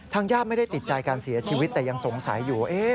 ญาติไม่ได้ติดใจการเสียชีวิตแต่ยังสงสัยอยู่